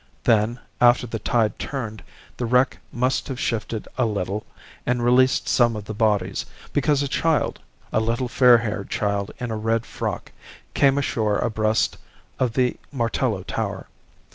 Then, after the tide turned, the wreck must have shifted a little and released some of the bodies, because a child a little fair haired child in a red frock came ashore abreast of the Martello tower.